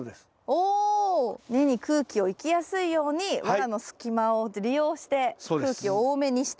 お根に空気を行きやすいようにワラの隙間を利用して空気を多めにしてあげる。